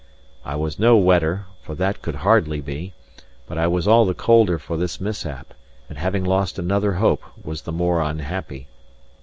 I was no wetter (for that could hardly be), but I was all the colder for this mishap; and having lost another hope was the more unhappy.